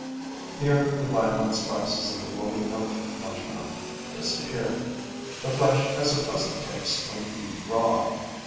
Here the violent spices of the woolly milk mushroom disappear; the flesh has a pleasant taste when eaten raw.